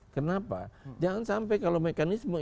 kenapa jangan sampai kalau mekanisme